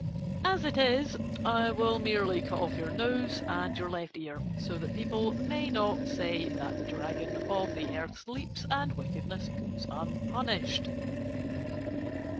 As it is, I will merely cut off your nose and your left ear, so that people may not say that the Dragon of the Earth sleeps and wickedness goes unpunished.